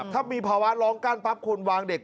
ถ้ามีภาวะร้องกั้นปั๊บคนวางเด็ก